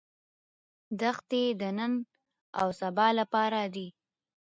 دښتې د نن او سبا لپاره دي.